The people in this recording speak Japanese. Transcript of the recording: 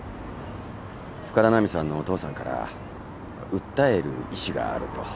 深田奈美さんのお父さんから訴える意思があると。